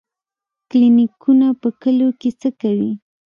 کلینیکونه په کلیو کې څه کوي؟